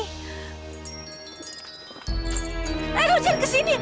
eh lo jangan ke sini